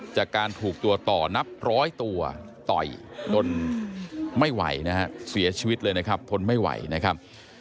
จากการถูกตัวต่อนับร้อยตัวต่อยจนไม่ไหวนะฮะเสียชีวิตเลยนะครับทนไม่ไหวนะครับ